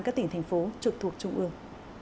các tỉnh thành phố trực thuộc trung ương